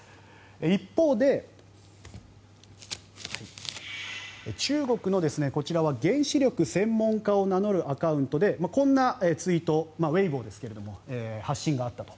一方で、中国のこちらは原子力専門家を名乗るアカウントでこんなツイートウェイボーですが発信があったと。